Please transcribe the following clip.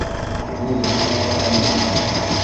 — Был йортта ла тамға.